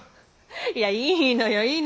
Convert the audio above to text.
いやいいのよいいのよ！